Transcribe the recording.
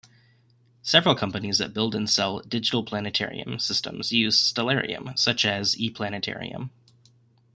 Several companies that build and sell digital planetarium systems use Stellarium, such as "e-Planetarium".